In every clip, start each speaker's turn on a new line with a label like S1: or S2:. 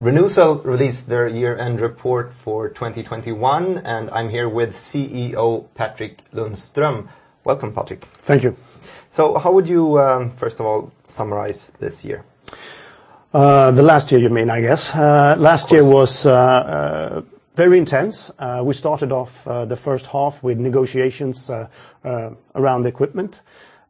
S1: Re:NewCell released their year-end report for 2021. I'm here with CEO Patrik Lundström. Welcome, Patrik.
S2: Thank you.
S1: How would you, first of all, summarize this year?
S2: The last year you mean, I guess.
S1: Of course.
S2: Last year was very intense. We started off the first half with negotiations around equipment.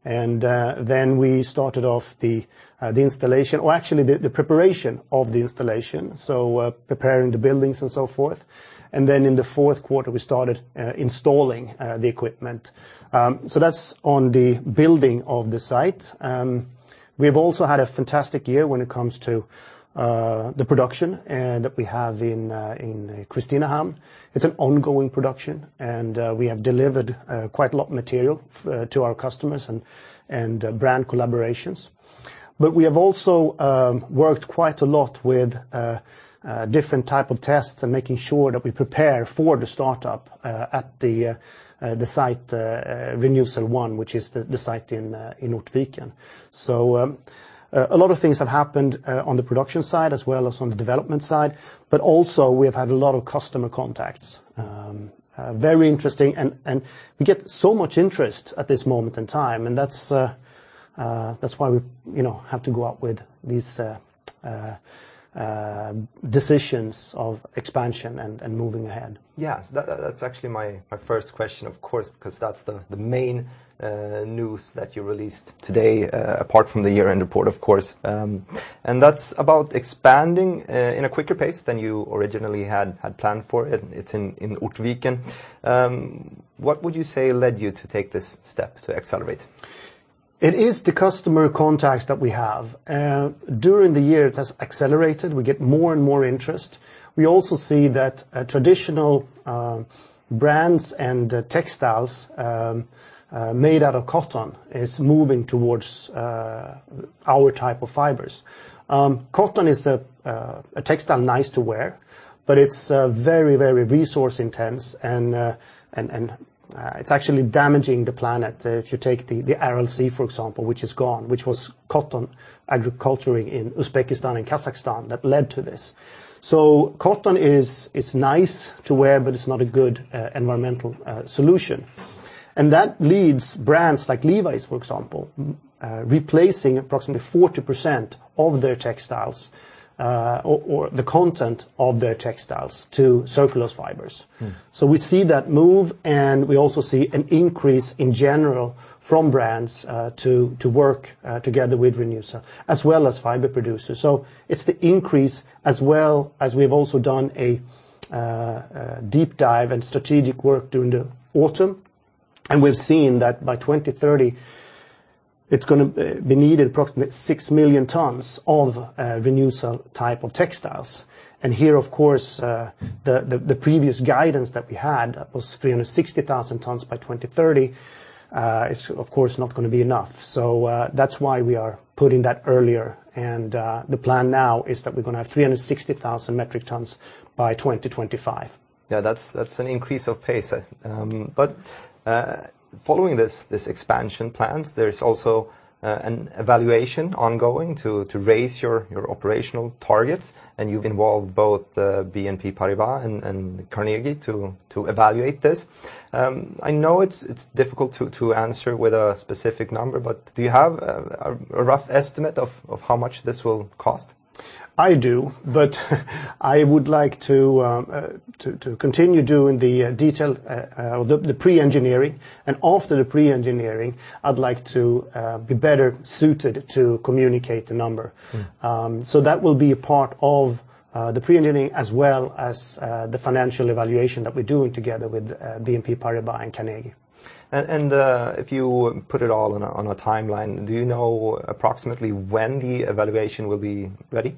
S2: Then we started off the installation, or actually the preparation of the installation, so preparing the buildings and so forth. In the fourth quarter, we started installing the equipment. That's on the building of the site. We've also had a fantastic year when it comes to the production that we have in Kristinehamn. It's an ongoing production. We have delivered quite a lot material to our customers and brand collaborations. We have also worked quite a lot with different type of tests and making sure that we prepare for the startup at the site Renewcell 1, which is the site in Ortviken. A lot of things have happened on the production side as well as on the development side. Also we have had a lot of customer contacts. Very interesting. We get so much interest at this moment in time. That's why we have to go out with these decisions of expansion and moving ahead.
S1: Yes. That's actually my first question, of course, because that's the main news that you released today, apart from the year-end report, of course. That's about expanding in a quicker pace than you originally had planned for it. It's in Ortviken. What would you say led you to take this step to accelerate?
S2: It is the customer contacts that we have. During the year, it has accelerated. We get more and more interest. We also see that traditional brands and textiles made out of cotton is moving towards our type of fibers. Cotton is a textile nice to wear, but it's very resource intense and it's actually damaging the planet. If you take the Aral Sea, for example, which is gone, which was cotton agriculture in Uzbekistan and Kazakhstan that led to this. Cotton is nice to wear, but it's not a good environmental solution. That leads brands like Levi's, for example, replacing approximately 40% of their textiles, or the content of their textiles to cellulose fibers. We see that move, and we also see an increase in general from brands to work together with Re:NewCell, as well as fiber producers. It's the increase as well as we've also done a deep dive and strategic work during the autumn, and we've seen that by 2030, it's going to be needed approximately 6 million tons of Re:NewCell type of textiles. Here, of course, the previous guidance that we had was 360,000 tons by 2030, is of course not going to be enough. That's why we are putting that earlier. The plan now is that we're going to have 360,000 metric tons by 2025.
S1: Yeah, that's an increase of pace. Following this expansion plans, there is also an evaluation ongoing to raise your operational targets, and you've involved both BNP Paribas and Carnegie to evaluate this. I know it's difficult to answer with a specific number, but do you have a rough estimate of how much this will cost?
S2: I do, but I would like to continue doing the pre-engineering, and after the pre-engineering, I'd like to be better suited to communicate the number. That will be a part of the pre-engineering as well as the financial evaluation that we're doing together with BNP Paribas and Carnegie.
S1: If you put it all on a timeline, do you know approximately when the evaluation will be ready?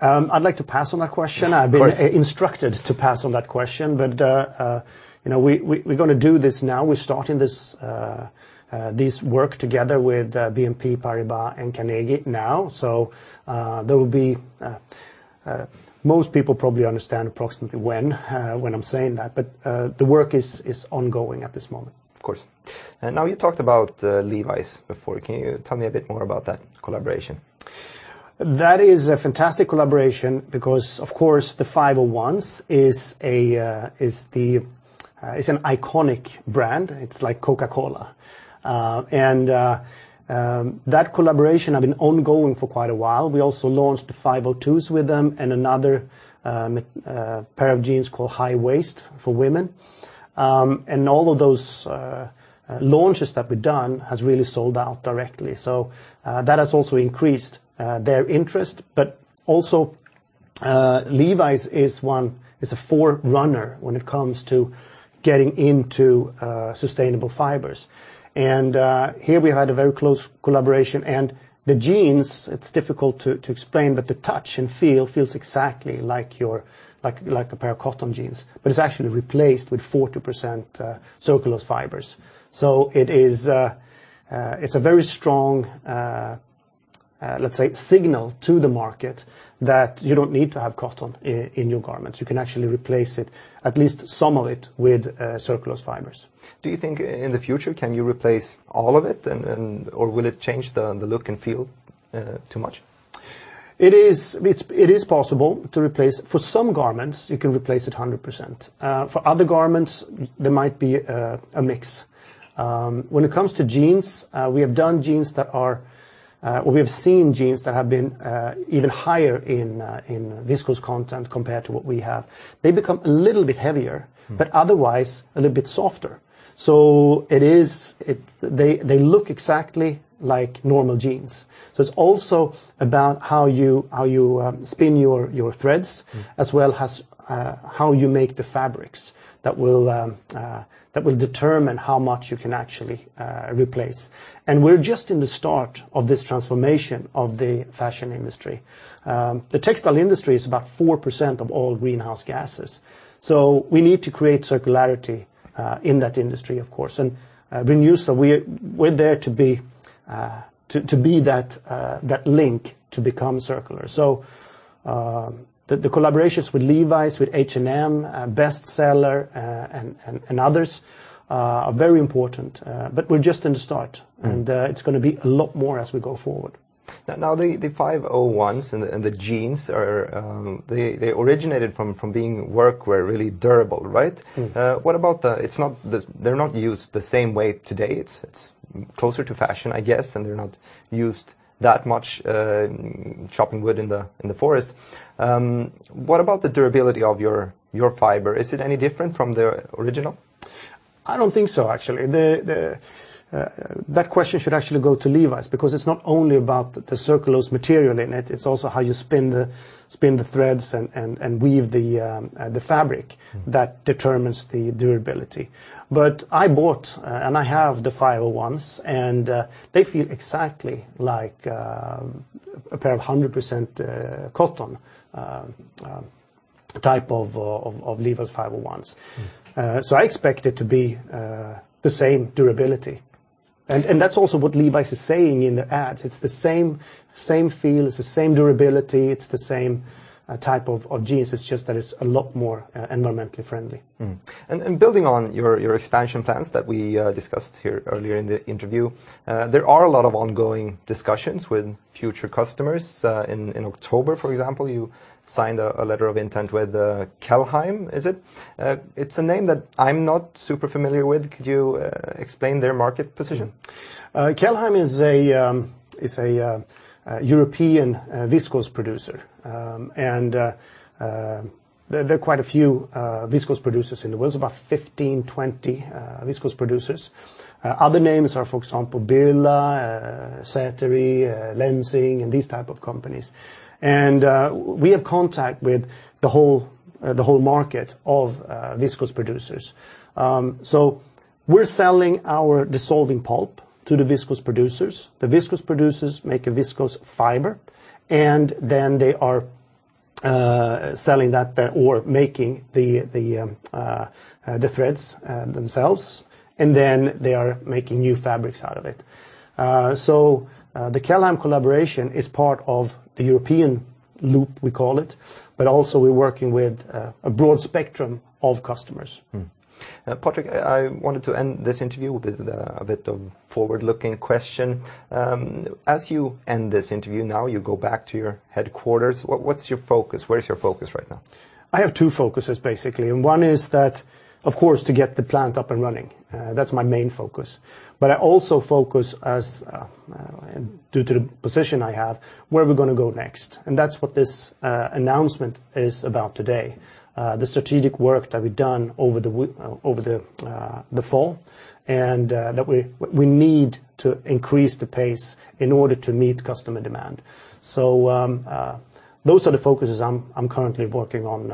S2: I'd like to pass on that question.
S1: Of course.
S2: I've been instructed to pass on that question. We're going to do this now. We're starting this work together with BNP Paribas and Carnegie now. Most people probably understand approximately when I'm saying that, but the work is ongoing at this moment.
S1: Of course. Now you talked about Levi's before. Can you tell me a bit more about that collaboration?
S2: That is a fantastic collaboration because, of course, the 501s is an iconic brand. It's like Coca-Cola. That collaboration have been ongoing for quite a while. We also launched the 502s with them and another pair of jeans called high waist for women. All of those launches that we've done has really sold out directly. That has also increased their interest, but also Levi's is a forerunner when it comes to getting into sustainable fibers. Here we had a very close collaboration, and the jeans, it's difficult to explain, but the touch and feel feels exactly like a pair of cotton jeans, but it's actually replaced with 40% cellulose fibers. It's a very strong, let's say, signal to the market that you don't need to have cotton in your garments. You can actually replace it, at least some of it, with cellulose fibers.
S1: Do you think in the future, can you replace all of it, or will it change the look and feel too much?
S2: It is possible to replace, for some garments, you can replace it 100%. For other garments, there might be a mix. When it comes to jeans, we have seen jeans that have been even higher in viscose content compared to what we have. They become a little bit heavier but otherwise a little bit softer. They look exactly like normal jeans. It's also about how you spin your threads as well as how you make the fabrics that will determine how much you can actually replace. We're just in the start of this transformation of the fashion industry. The textile industry is about 4% of all greenhouse gases, so we need to create circularity in that industry, of course. Re:NewCell, so we're there to be that link to become circular. The collaborations with Levi's, with H&M, Bestseller, and others, are very important. We're just in the start, and it's going to be a lot more as we go forward.
S1: Now, the 501s and the jeans, they originated from being workwear, really durable, right? They're not used the same way today. It's closer to fashion, I guess, and they're not used that much chopping wood in the forest. What about the durability of your fiber? Is it any different from the original?
S2: I don't think so, actually. That question should actually go to Levi's because it's not only about the cellulose material in it's also how you spin the threads and weave the fabric that determines the durability. But I bought, and I have the 501s, and they feel exactly like a pair of 100% cotton type of Levi's 501s. I expect it to be the same durability, and that's also what Levi's is saying in the ads. It's the same feel, it's the same durability, it's the same type of jeans. It's just that it's a lot more environmentally friendly.
S1: Building on your expansion plans that we discussed here earlier in the interview, there are a lot of ongoing discussions with future customers. In October, for example, you signed a letter of intent with Kelheim, is it? It's a name that I'm not super familiar with. Could you explain their market position?
S2: Kelheim is a European viscose producer. There are quite a few viscose producers in the world, about 15, 20 viscose producers. Other names are, for example, Birla, Sateri, Lenzing, and these type of companies. We have contact with the whole market of viscose producers. We're selling our dissolving pulp to the viscose producers. The viscose producers make a viscose fiber, then they are selling that or making the threads themselves, then they are making new fabrics out of it. The Kelheim collaboration is part of the European loop, we call it, also we're working with a broad spectrum of customers.
S1: Patrik, I wanted to end this interview with a bit of forward-looking question. As you end this interview now, you go back to your headquarters, what's your focus? Where is your focus right now?
S2: I have two focuses, basically. One is that, of course, to get the plant up and running. That's my main focus. I also focus as, due to the position I have, where are we going to go next? That's what this announcement is about today, the strategic work that we've done over the fall and that we need to increase the pace in order to meet customer demand. Those are the focuses I'm currently working on.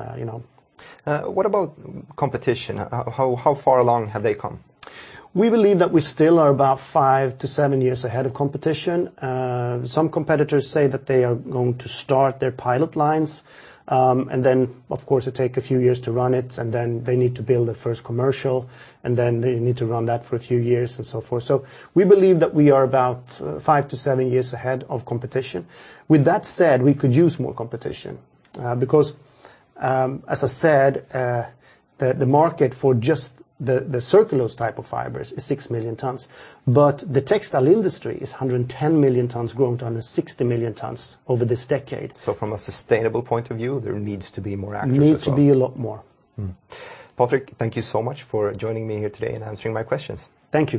S1: What about competition? How far along have they come?
S2: We believe that we still are about five to seven years ahead of competition. Some competitors say that they are going to start their pilot lines, then of course it take a few years to run it, then they need to build a first commercial, then they need to run that for a few years, and so forth. We believe that we are about five to seven years ahead of competition. With that said, we could use more competition, because, as I said, the market for just the cellulose type of fibers is 6 million tons, the textile industry is 110 million tons growing to 160 million tons over this decade.
S1: From a sustainable point of view, there needs to be more actors as well.
S2: Needs to be a lot more.
S1: Patrik, thank you so much for joining me here today and answering my questions.
S2: Thank you